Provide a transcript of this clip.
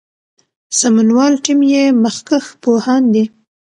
سمونوال ټیم یې مخکښ پوهان دي.